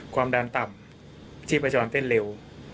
ความดันต่ำที่ประชาชนเต้นเร็ว